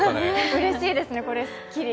うれしいですね、これすっきり。